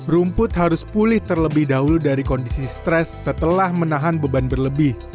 rumput harus pulih terlebih dahulu dari kondisi stres setelah menahan beban berlebih